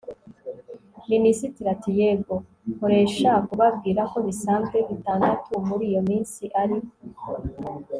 minisitiri ati 'yego, nkoresha kubabwira ko bisanzwe bitandatu muri iyo minsi ari